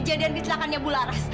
kejadian kecelakannya bularas